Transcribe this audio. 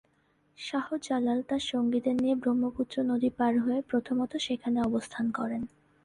শাহ জালাল তার সঙ্গীদের নিয়ে ব্রহ্মপুত্র নদী পার হয়ে প্রথমত সেখানে অবস্থান করেন।